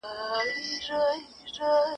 اوس د کوه قاف له تُرابان سره به څه کوو!.